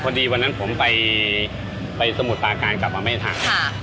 วันนั้นผมไปสมุทรปาการกลับมาไม่ทัน